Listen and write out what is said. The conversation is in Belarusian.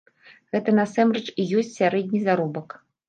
Гэта насамрэч і ёсць сярэдні заробак.